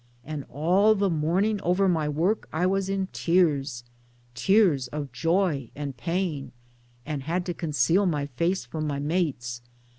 And all the morning over my work I was in tears tears of joy and pain and had to conceal my face from my mates.